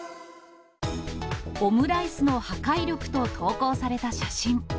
オムライスの破壊力と投稿された写真。